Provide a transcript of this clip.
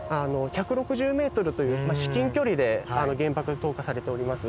１６０メートルという至近距離で原爆投下されております。